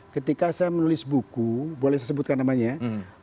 ketika saya menulis buku boleh saya sebutkan namanya ya